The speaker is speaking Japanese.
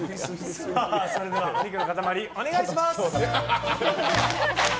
それでは、お肉の塊お願いします。